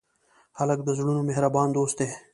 هلک د زړونو مهربان دوست دی.